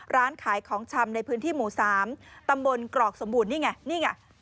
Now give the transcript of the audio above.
ร้านขายของชำในพื้นที่หมู่๓ตำบลกรอกสมบูรณ์นี่ไงนี่ไง